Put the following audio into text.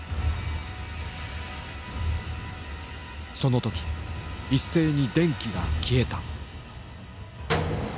その時一斉に電気が消えた。